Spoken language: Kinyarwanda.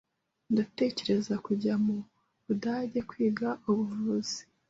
Ndatekereza kujya mu Budage kwiga ubuvuzi.